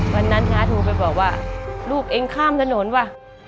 วันนั้นน้าโทรไปบอกว่าลูกเองข้ามถนนว่ะ